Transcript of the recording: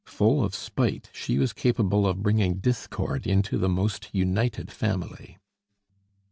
Full of spite, she was capable of bringing discord into the most united family.